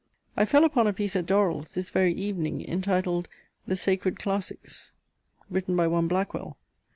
I fell upon a piece at Dorrell's, this very evening, intituled, The Sacred Classics, written by one Blackwell.